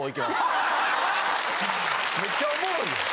めっちゃおもろいやん。